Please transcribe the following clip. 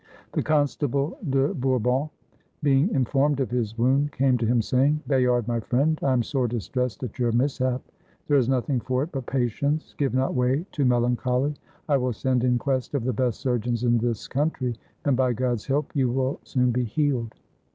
The Constable de Bourbon, being informed of his wound, came to him, saying, "Bayard, my friend, I am sore distressed at your mishap; there is nothing for it but patience ; give not way to melancholy ; I will send in quest of the best surgeons in this country, and, by God's help, you will soon be healed."